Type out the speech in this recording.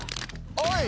おい！